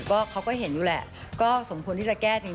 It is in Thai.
ก็เขาก็เห็นอยู่แหละก็สมควรที่จะแก้จริง